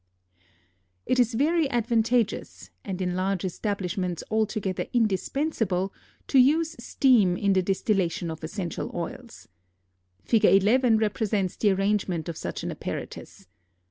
It is very advantageous, and in large establishments altogether indispensable, to use steam in the distillation of essential oils. Fig. 11 represents the arrangement of such an apparatus.